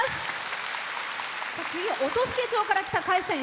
次は音更町から来た会社員。